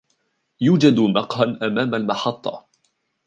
يوجد مقهى أمام المحطة.